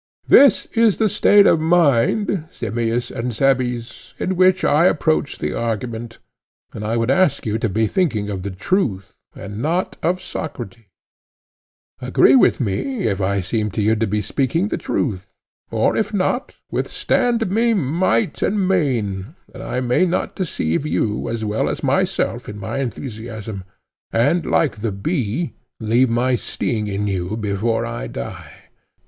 This is the state of mind, Simmias and Cebes, in which I approach the argument. And I would ask you to be thinking of the truth and not of Socrates: agree with me, if I seem to you to be speaking the truth; or if not, withstand me might and main, that I may not deceive you as well as myself in my enthusiasm, and like the bee, leave my sting in you before I die.